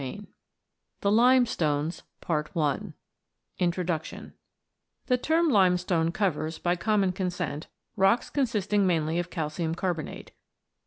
CHAPTER II THE LIMESTONES INTRODUCTION THE term Limestone covers, by common consent, rocks consisting mainly of calcium carbonate.